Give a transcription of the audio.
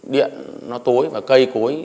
điện nó tối và cây cối